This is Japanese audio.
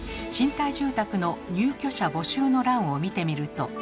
賃貸住宅の入居者募集の欄を見てみると。